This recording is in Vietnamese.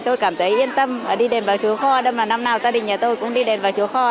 tôi cảm thấy yên tâm đi đền bà chúa kho năm nào gia đình nhà tôi cũng đi đền bà chúa kho